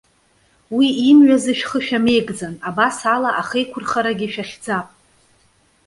Уи имҩазы шәхы шәамеигӡан, абас ала ахеиқәырхарагьы шәахьӡап.